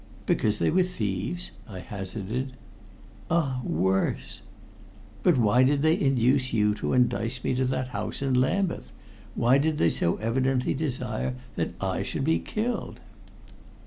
"Because they were thieves?" I hazarded. "Ah, worse!" "But why did they induce you to entice me to that house in Lambeth? Why did they so evidently desire that I should be killed?"